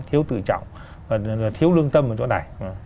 thiếu tự trọng và thiếu lương tâm ở chỗ này